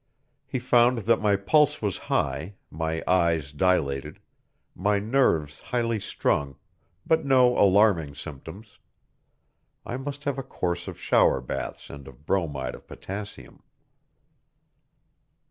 He found that my pulse was high, my eyes dilated, my nerves highly strung, but no alarming symptoms. I must have a course of shower baths and of bromide of potassium.